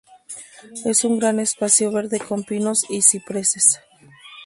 Es un gran espacio verde con pinos y cipreses.